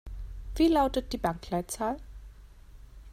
Wie lautet die Bankleitzahl?